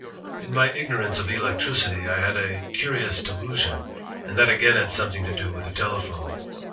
... "In my ignorance of electricity, I had a curious de lusion, and that again had something to do with the tel ephone.